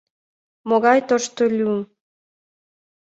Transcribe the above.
Могай тошто лӱм.